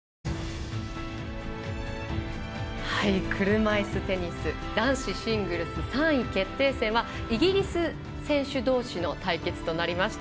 車いすテニス男子シングルス３位決定戦はイギリスの選手どうしの対決となりました。